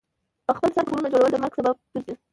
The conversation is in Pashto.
پخپل سر کورونو جوړول د مرګ سبب ګرځي.